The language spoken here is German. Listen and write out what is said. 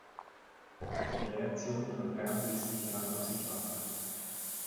Die Reaktion von Bern liess nicht lange auf sich warten.